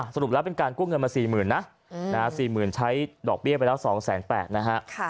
สรุปแล้วเป็นการกู้เงินมา๔๐๐๐นะ๔๐๐๐ใช้ดอกเบี้ยไปแล้ว๒๘๐๐นะฮะ